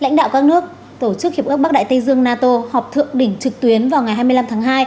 lãnh đạo các nước tổ chức hiệp ước bắc đại tây dương nato họp thượng đỉnh trực tuyến vào ngày hai mươi năm tháng hai